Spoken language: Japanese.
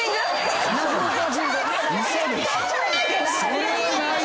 それはないって。